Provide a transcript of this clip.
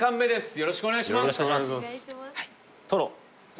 よろしくお願いします